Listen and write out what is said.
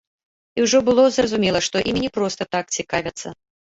І ўжо было зразумела, што імі не проста так цікавяцца.